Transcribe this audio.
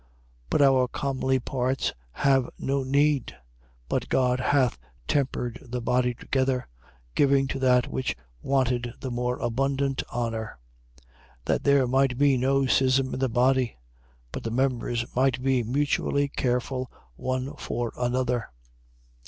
12:24. But our comely parts have no need: but God hath tempered the body together, giving to that which wanted the more abundant honour. 12:25. That there might be no schism in the body: but the members might be mutually careful one for another.